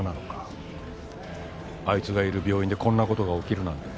あいつがいる病院でこんな事が起きるなんて。